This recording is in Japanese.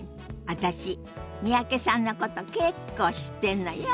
私三宅さんのこと結構知ってんのよ。